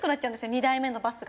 ２台目のバスが。